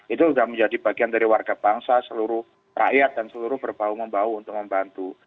itu sudah menjadi bagian dari warga bangsa seluruh rakyat dan seluruh berbau membau untuk membantu